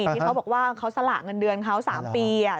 ที่เขาบอกว่าเขาสละเงินเดือนเขา๓ปี